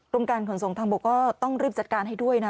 การขนส่งทางบกก็ต้องรีบจัดการให้ด้วยนะ